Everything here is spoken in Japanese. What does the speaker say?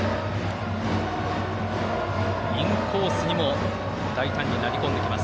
インコースにも大胆に投げ込んできます。